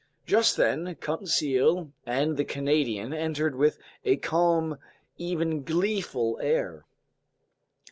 Just then Conseil and the Canadian entered with a calm, even gleeful air.